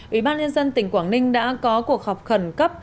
ủy ban nhân dân tỉnh quảng ninh đã có cuộc họp khẩn cấp